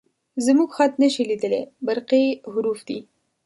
_زموږ خط نه شې لېدلی، برقي حروف دي